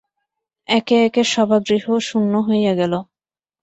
একে একে সভাগৃহ শূন্য হইয়া গেল।